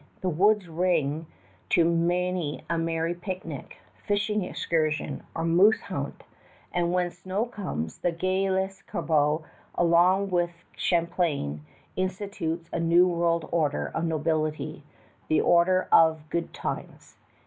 The woods ring to many a merry picnic, fishing excursion, or moose hunt; and when snow comes, the gay Lescarbot along with Champlain institutes a New World order of nobility the Order of Good Times.